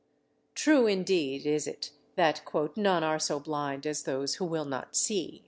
True, indeed is it, that "none are so blind as those who will not see."